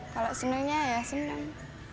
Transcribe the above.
kalau senangnya ya senang